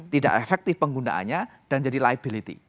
tidak efektif penggunaannya dan jadi liability